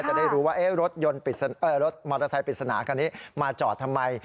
จะได้รู้ว่ารถมอเตอร์ไซค์ปริศนาคันนี้มาจอดทำไม